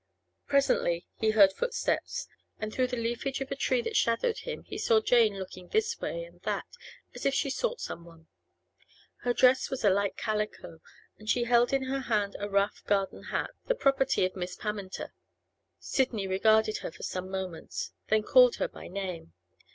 Presently he heard footsteps, and through the leafage of a tree that shadowed him he saw Jane looking this way and that, as if she sought some one. Her dress was a light calico, and she held in her hand a rough garden hat, the property of Miss Pammenter. Sidney regarded her for some moments, then called her by name.